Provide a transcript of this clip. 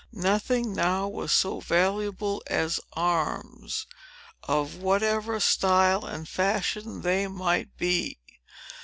Nothing now was so valuable as arms, of whatever style and fashion they might be.